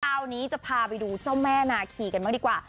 คราวนี้จะพาไปดูเจ้าแม่นาคีกันบ้างดีกว่า